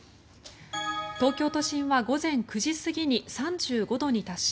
東京都心は午前９時過ぎに３５度に達し